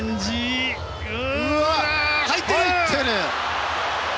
入っている！